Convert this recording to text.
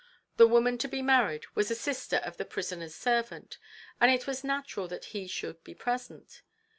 The woman to be married was a sister of the prisoner's servant, and it was natural that he should be present.